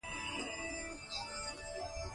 آیا د امو سیند تیل استخراج کیږي؟